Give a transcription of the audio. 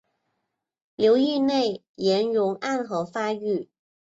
流域内岩溶暗河发育。